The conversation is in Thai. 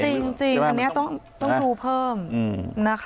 จริงอันนี้ต้องดูเพิ่มนะคะ